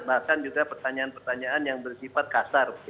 bahkan juga pertanyaan pertanyaan yang bersifat kasar